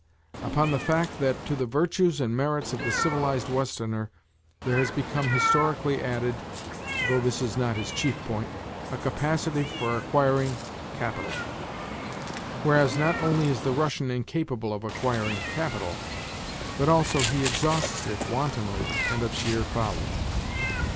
"Upon the fact that to the virtues and merits of the civilised Westerner there has become historically added—though this is not his chief point—a capacity for acquiring capital; whereas, not only is the Russian incapable of acquiring capital, but also he exhausts it wantonly and of sheer folly.